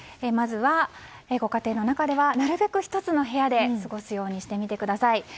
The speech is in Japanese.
まずはご家庭の中ではなるべく１つの部屋で過ごすようにしてください。